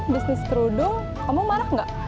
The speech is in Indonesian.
bisnis kerudung kamu marah nggak